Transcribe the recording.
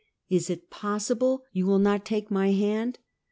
"Is it possible you will not take my liand?"